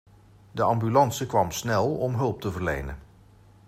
De ambulance kwam snel om hulp te verlenen.